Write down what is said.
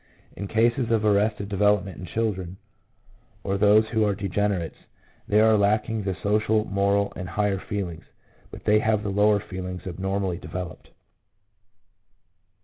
In cases of arrested development in children, or those who are degenerates, there are lacking the social, moral, and all higher feelings ; but they have the lower feelings abnormally developed.